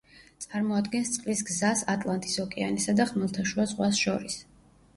წარმოადგენს წყლის გზას ატლანტის ოკეანესა და ხმელთაშუა ზღვას შორის.